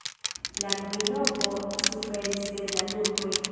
La kvinopo suferis de la turkoj.